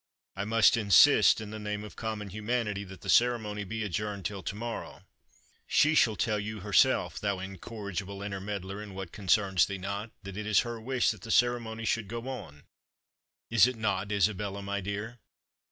I must insist, in the name of common humanity, that the ceremony be adjourned till to morrow." "She shall tell you herself, thou incorrigible intermeddler in what concerns thee not, that it is her wish the ceremony should go on Is it not, Isabella, my dear?"